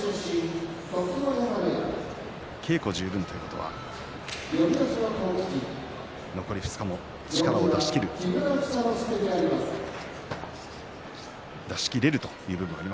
稽古十分ということは残り２日も力を出し切れるそうですね。